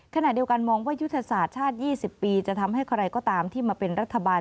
ขณะเดียวกันมองว่ายุทธศาสตร์ชาติ๒๐ปีจะทำให้ใครก็ตามที่มาเป็นรัฐบาล